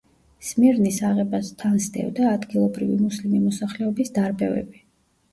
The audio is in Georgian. სმირნის აღებას თან სდევდა ადგილობრივი მუსლიმი მოსახლეობის დარბევები.